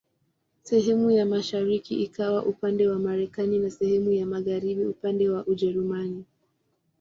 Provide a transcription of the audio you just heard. Sehemu ya mashariki ikawa upande wa Marekani na sehemu ya magharibi upande wa Ujerumani.